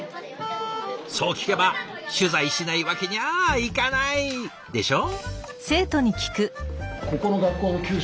そう聞けば取材しないわけにゃあいかないでしょ？